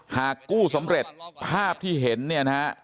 หากกู้สำเร็จภาพที่เห็นเนี่ยนะฮะ